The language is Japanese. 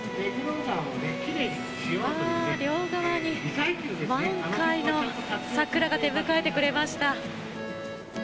両側に満開の桜が出迎えてくれました。